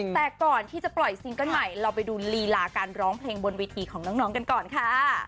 แต่ก่อนที่จะปล่อยซิงเกิ้ลใหม่เราไปดูลีลาการร้องเพลงบนเวทีของน้องกันก่อนค่ะ